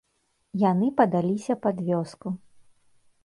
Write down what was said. Яны падаліся пад вёску.